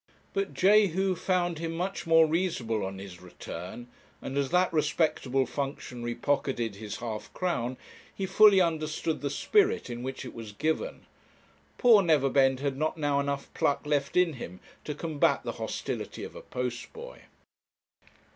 But Jehu found him much more reasonable on his return; and as that respectable functionary pocketed his half crown, he fully understood the spirit in which it was given. Poor Neverbend had not now enough pluck left in him to combat the hostility of a post boy.